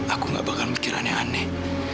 aku gak bakal mikir aneh aneh